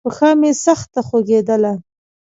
پښه مې سخته خوږېدله.